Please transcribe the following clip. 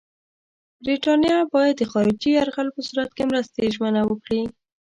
برټانیه باید د خارجي یرغل په صورت کې د مرستې ژمنه وکړي.